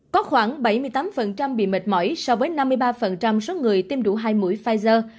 có khoảng bảy mươi tám bị mệt mỏi so với năm mươi ba số người tiêm đủ hai mũi pfizer